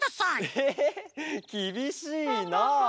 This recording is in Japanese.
ええきびしいな。